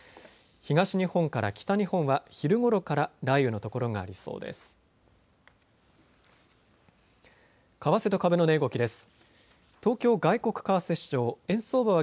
東日本から北日本は昼ごろから雷雨の所がありそうです。